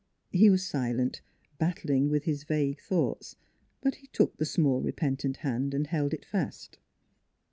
He was silent, battling with his vague thoughts ; but he took the small, repentant hand and held it fast.